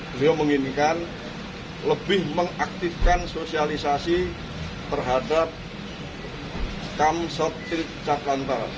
beliau menginginkan lebih mengaktifkan sosialisasi terhadap kam sotir cat lantas